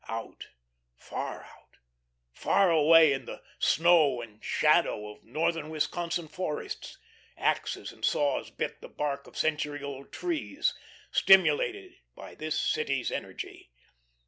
Out, far out, far away in the snow and shadow of Northern Wisconsin forests, axes and saws bit the bark of century old trees, stimulated by this city's energy.